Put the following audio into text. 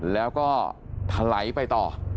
แล้วก็ทะไหลไปต่อ